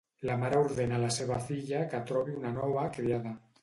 La mare ordena la seva filla que trobi una nova criada.